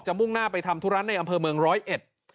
มุ่งหน้าไปทำธุระในอำเภอเมืองร้อยเอ็ด